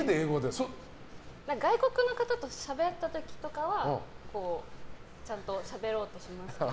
外国の方としゃべった時とかはちゃんとしゃべろうとしますけど。